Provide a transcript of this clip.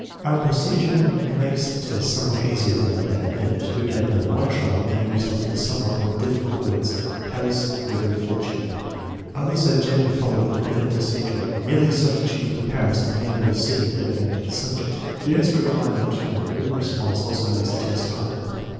Our procedure makes the test somewhat easier than that of Binet, who gave only one trial and used the somewhat more difficult words Paris, river 9 fortune. Others have generally followed the Binet procedure, merely substituting for Paris the name of a city better known, to the subject. Binet's requirement of a written response also makes the test harder.